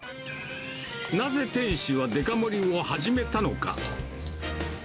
なぜ店主はデカ盛りを始めたのか。